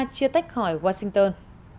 chia tách khỏi washington